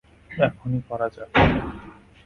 এখনই করা যাক।